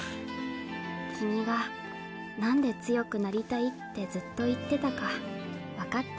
君がなんで強くなりたいってずっと言ってたかわかった。